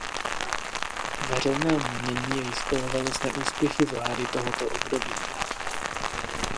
Veřejné mínění jej spojovalo s neúspěchy vlády tohoto období.